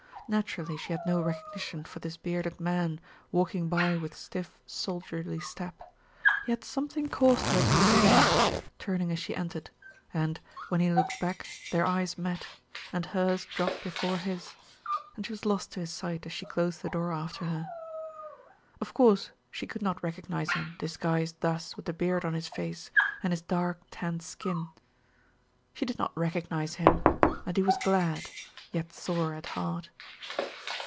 Naturally she had no recognition for this bearded man, walking by with stiff, soldierly step, yet something caused her to look again, turning as she entered, and, when he looked back, their eyes met, and hers dropped before his, and she was lost to his sight as she closed the door after her. Of course she could not recognize him disguised thus with the beard on his face, and his dark, tanned skin. She did not recognize him, and he was glad, yet sore at heart.